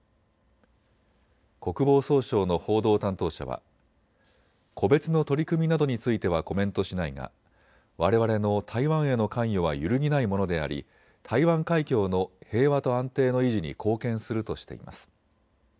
国防総省の報道担当者は個別の取り組みなどについてはコメントしないがわれわれの台湾への関与は揺るぎないものであり台湾海峡の平和と安定の維持に貢献するとしています。